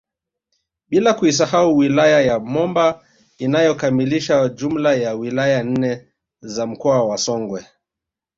Bila kuisahau wilaya ya Momba inayokamilisha jumla ya wilaya nne za mkoa wa Songwe